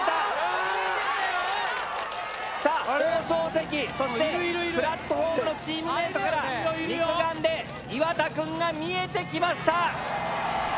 さあ放送席そしてプラットホームのチームメートから肉眼で岩田くんが見えてきました。